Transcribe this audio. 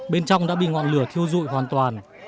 bên trong đã bị ngọn lửa thiêu dụi hoàn toàn